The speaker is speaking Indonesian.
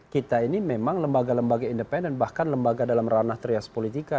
kita ini memang lembaga lembaga independen bahkan lembaga dalam ranah terias politika